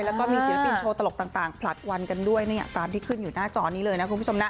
แล้วก็มีศิลปินโชว์ตลกต่างผลัดวันกันด้วยตามที่ขึ้นอยู่หน้าจอนี้เลยนะคุณผู้ชมนะ